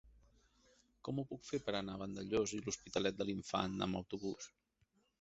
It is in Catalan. Com ho puc fer per anar a Vandellòs i l'Hospitalet de l'Infant amb autobús?